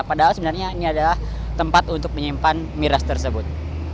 padahal sebenarnya ini adalah tempat untuk menyimpan miras tersebut